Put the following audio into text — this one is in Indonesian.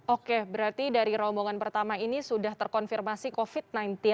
oke berarti dari rombongan pertama ini sudah terkonfirmasi covid sembilan belas